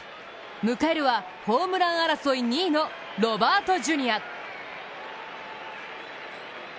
迎えるはホームラン争い２位のロバートジュニア。